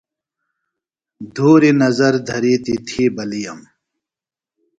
دُھوری نظر دھرینیۡ تھی بلیِیم۔